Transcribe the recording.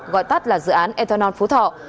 gọi tắt là dự án ethanol phú thọ